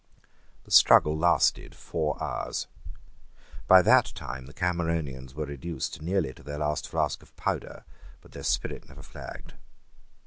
The struggle lasted four hours. By that time the Cameronians were reduced nearly to their last flask of powder; but their spirit never flagged.